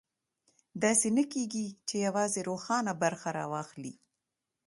داسې نه کېږي چې یوازې روښانه برخه راواخلي.